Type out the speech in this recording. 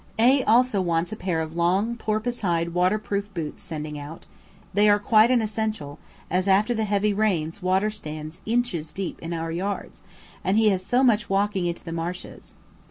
A also wants a pair of long porpoise hide waterproof boots sending out; they are quite an essential, as after the heavy rains water stands inches deep in our yards, and he has so much walking into the marshes.